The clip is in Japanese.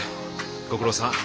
ご苦労さん。